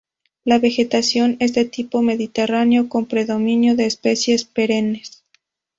La vegetación es de tipo mediterráneo, con predominio de especies perennes.